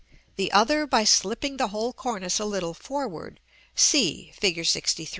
the other by slipping the whole cornice a little forward (c. Fig. LXIII.).